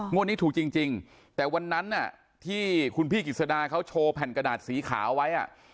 วันนี้ถูกจริงแต่วันนั้นที่คุณพี่กิจสดาเขาโชว์แผ่นกระดาษสีขาวไว้